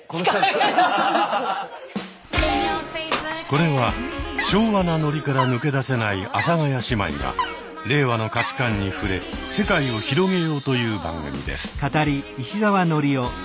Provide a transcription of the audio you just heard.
これは昭和なノリから抜け出せない阿佐ヶ谷姉妹が令和の価値観に触れ世界を広げようという番組です。